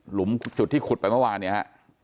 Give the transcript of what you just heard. จุดที่ขุดไปเมื่อวานเนี่ยฮะ